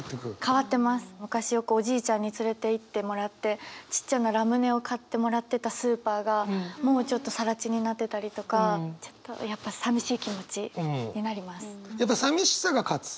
昔よくおじいちゃんに連れていってもらってちっちゃなラムネを買ってもらってたスーパーがもうちょっとさら地になってたりとかちょっとやっぱやっぱさみしさが勝つ？